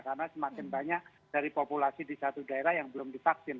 karena semakin banyak dari populasi di satu daerah yang belum divaksin